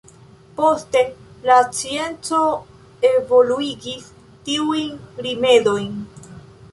Poste la scienco evoluigis tiujn rimedojn.